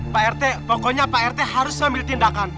pak rt pokoknya pak rt harus mengambil tindakan